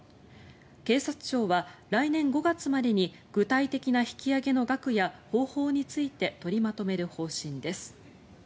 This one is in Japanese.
警察庁は来年５月までに具体的な引き上げの額や方法について取りまとめる方針です。